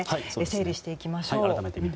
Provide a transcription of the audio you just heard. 整理していきましょう。